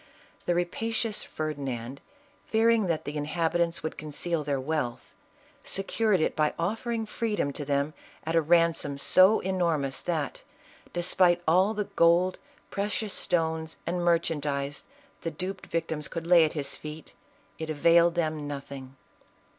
The rapacious Ferdi nand, fearing that the inhabitants would conceal their wealth, secured it by offering freedom to them at a ransom so enormous, that despite all the gold, precious stones, and merchandise the duped victims could lay at his feet, it availed them nothing.